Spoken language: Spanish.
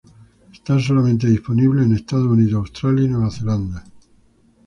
Está solamente disponible en Estados Unidos, Australia y Nueva Zelanda.